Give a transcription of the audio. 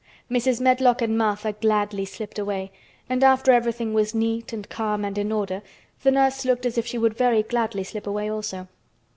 Mrs. Medlock and Martha gladly slipped away, and after everything was neat and calm and in order the nurse looked as if she would very gladly slip away also.